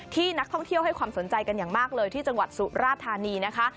ที่นักท่องเที่ยวให้ความสนใจกันอย่างมากเลยที่จังหวัดสุราธานีนะคะ